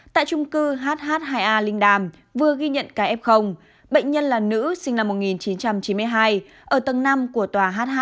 tại trung cư hh hai a linh đàm vừa ghi nhận ca f bệnh nhân là nữ sinh năm một nghìn chín trăm chín mươi hai ở tầng năm của tòa h hai